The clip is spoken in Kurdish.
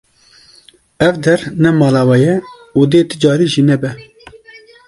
Ev der ne mala we ye û dê ti carî jî nebe.